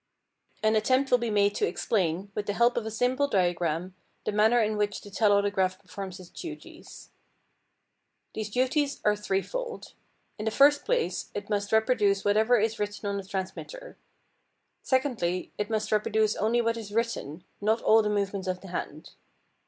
An attempt will be made to explain, with the help of a simple diagram, the manner in which the telautograph performs its duties. These duties are threefold. In the first place, it must reproduce whatever is written on the transmitter. Secondly, it must reproduce only what is written, not all the movements of the hand.